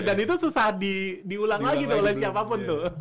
dan itu susah diulang lagi oleh siapapun tuh